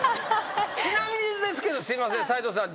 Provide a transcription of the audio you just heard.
ちなみにですけどすいません斎藤さん。